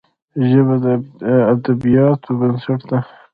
ژبه د ادبياتو بنسټ ده